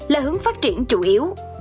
là hướng phát triển chủ yếu